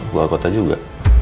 buah kota juga